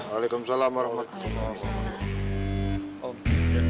waalaikumsalam warahmatullahi wabarakatuh